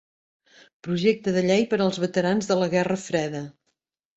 Projecte de llei per als veterans de la Guerra Freda.